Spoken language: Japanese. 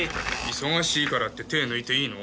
忙しいからって手抜いていいの？